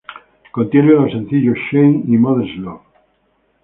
Contiene los sencillos "Shame" y "Mother's Love".